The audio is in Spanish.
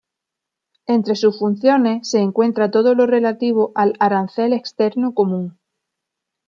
Entre sus funciones se encuentra todo lo relativo al arancel externo común.